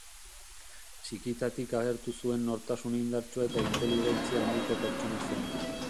Txikitatik agertu zuen nortasun indartsua eta inteligentzia handiko pertsona zen.